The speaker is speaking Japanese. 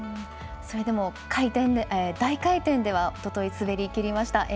それでも大回転ではおととい、滑りきりました。